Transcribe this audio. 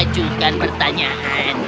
saya akan menanyakan pertanyaan